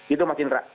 itu mas indra